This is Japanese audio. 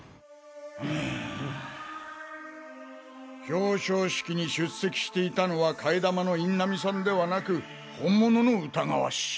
表彰式に出席していたのは替え玉の印南さんではなく本物の歌川氏。